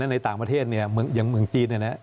ในต่างประเทศอย่างเมืองจีน